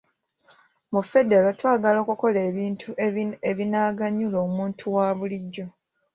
Mu Federo twagala okukola ebintu ebinaganyula omuntu wa bulijjo.